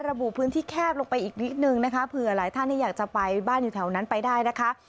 ระบุพื้นที่แคบลงไปอีกนิดนึงนะคะเผื่อหลายท่านที่อยากจะไปบ้านอยู่แถวนั้นไปได้นะคะ